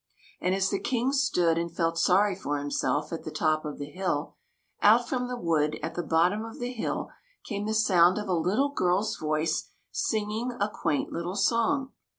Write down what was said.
And as the King stood and felt sorry for him self at the top of the hill, out from the wood at the bottom of the hill came the sound of a little girl's voice, singing a quaint little song.